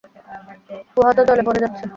গুহা তো জলে ভরে যাচ্ছে।